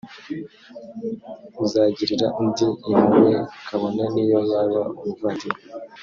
uzagirira undi impuhwe kabone niyo yaba umuvandimwe